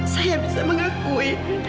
saya bisa mengakui